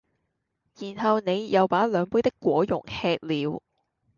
然後你又把兩杯的果茸吃了